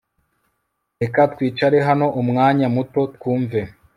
Reka twicare hano umwanya muto twumve